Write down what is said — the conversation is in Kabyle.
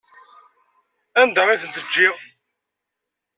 Anda i ten-ǧǧiɣ?